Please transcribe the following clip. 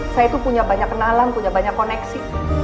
saya itu punya banyak kenalan punya banyak koneksi